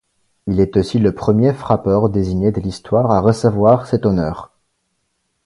Il est aussi le premier frappeur désigné de l'histoire à recevoir cet honneur.